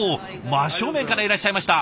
真正面からいらっしゃいました。